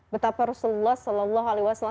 betapa rasulullah saw